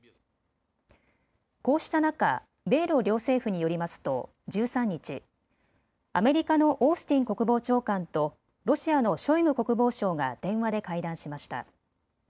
こうした中、米ロ両政府によりますと１３日、アメリカのオースティン国防長官とロシアのショイグ国防相が電話で会談しました。